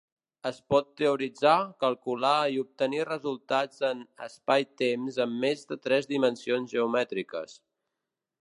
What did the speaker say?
Es pot teoritzar, calcular i obtenir resultats en espaitemps amb més de tres dimensions geomètriques.